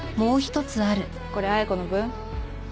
これ彩子の分？